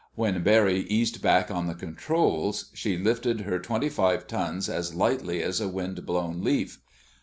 When Barry eased back on the controls she lifted her twenty five tons as lightly as a windblown leaf.